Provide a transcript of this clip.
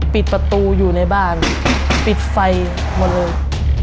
ปิดประตูอยู่ในบ้านปิดไฟหมดเลย